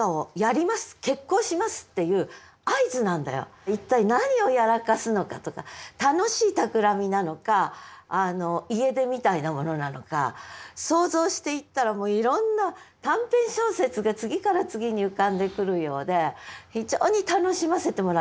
しかも一体何をやらかすのかとか楽しいたくらみなのか家出みたいなものなのか想像していったらいろんな短編小説が次から次に浮かんでくるようで非常に楽しませてもらいました。